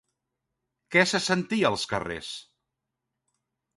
Què se sentia als carrers?